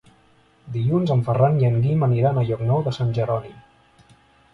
Dilluns en Ferran i en Guim aniran a Llocnou de Sant Jeroni.